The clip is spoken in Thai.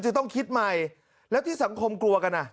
จะต้องคิดใหม่แล้วที่สังคมกลัวกันอ่ะ